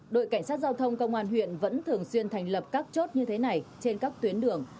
đội cảnh sát giao thông công an huyện vẫn thường xuyên thành lập các chốt như thế này trên các tuyến đường